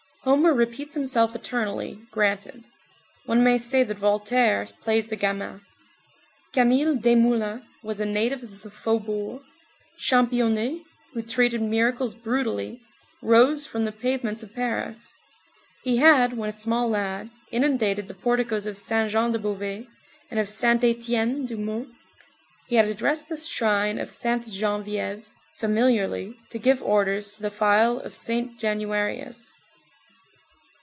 Homer repeats himself eternally, granted; one may say that Voltaire plays the gamin. Camille Desmoulins was a native of the faubourgs. Championnet, who treated miracles brutally, rose from the pavements of Paris; he had, when a small lad, inundated the porticos of Saint Jean de Beauvais, and of Saint Étienne du Mont; he had addressed the shrine of Sainte Geneviève familiarly to give orders to the phial of Saint Januarius.